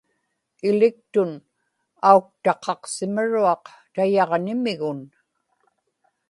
iliktun auktaqaqsimaruaq tayaġ-niġmigun